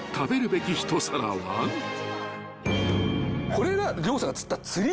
これが漁師さんが釣った。